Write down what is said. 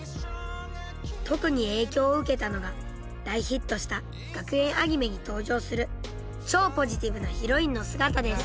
特に影響を受けたのが大ヒットした学園アニメに登場する超ポジティブなヒロインの姿です。